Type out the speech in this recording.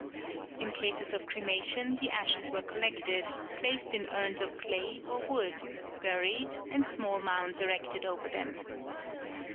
In cases of cremation the ashes were collected, placed in urns of clay or wood, buried, and small mounds erected over them.